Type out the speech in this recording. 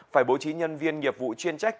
phải bố trí nhân viên nghiệp vụ chuyên trách